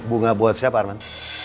bunga buat siapa arman